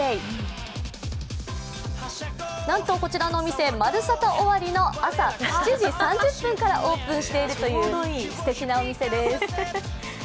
なんとこちらのお店「まるサタ」終わりの朝７時３０分からオープンしているというすてきなお店です。